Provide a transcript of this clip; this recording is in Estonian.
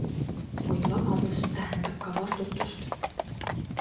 Kuid vabadus tähendab ka vastutust.